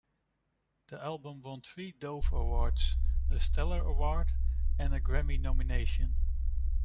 The album won three Dove Awards, a Stellar award and a Grammy nomination.